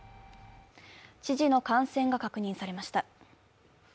知事の感染が確認されました。